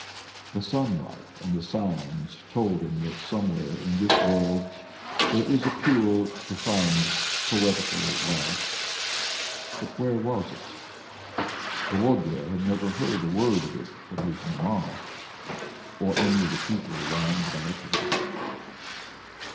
The sunlight and the sounds told him that somewhere in this world there is a pure, refined, poetical life. But where was it? Volodya had never heard a word of it from his maman or any of the people round about him.